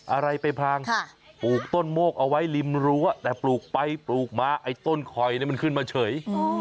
อะไรไปพังปลูกต้นโมกเอาไว้ริมรั้วแต่ปลูกไปปลูกมาไอ้ต้นคอยนี่มันขึ้นมาเฉย